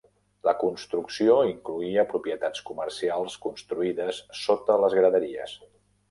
La construcció incloïa propietats comercials construïdes sota les graderies.